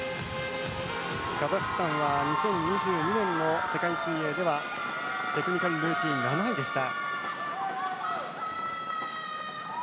カザフスタンは２０２２年の世界水泳ではテクニカルルーティン７位でした。